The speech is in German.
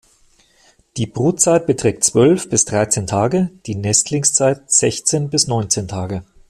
Die Brutzeit beträgt zwölf bis dreizehn Tage, die Nestlingszeit sechzehn bis neunzehn Tage.